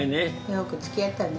よくつきあったね。